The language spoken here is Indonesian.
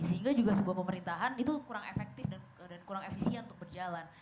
sehingga juga sebuah pemerintahan itu kurang efektif dan kurang efisien untuk berjalan